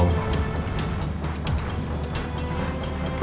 kau lihat itu apa